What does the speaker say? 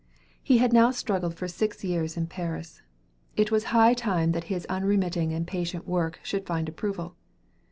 He had now struggled for six years in Paris. It was high time that his unremitting and patient work should find approval.